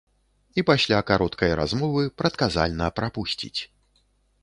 І пасля кароткай размовы прадказальна прапусціць.